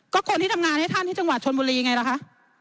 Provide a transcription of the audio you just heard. ก็คนที่ทำงานให้ท่านที่จังหวัดชนบุรีไงล่ะคะ